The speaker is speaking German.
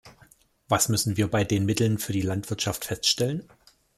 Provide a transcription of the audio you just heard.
Was müssen wir bei den Mitteln für die Landwirtschaft feststellen?